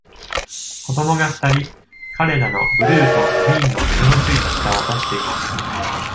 子供が二人、彼らのブルーとグリーンの色のついた舌を出しています。